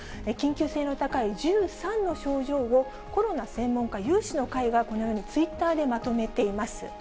緊急性の高い１３の症状を、コロナ専門家有志の会が、このようにツイッターでまとめています。